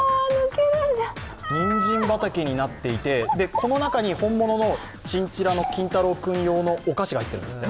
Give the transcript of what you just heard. にんじん畑になっていて、この中に本物のチンチラの金太郎君用のお菓子が入っているんですって。